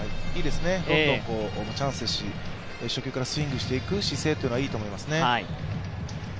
どんどんチャンスですし初球からスイングしていく姿勢っていうのはいいと思いますね。